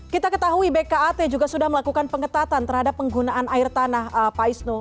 kita ketahui bkat juga sudah melakukan pengetatan terhadap penggunaan air tanah pak isnu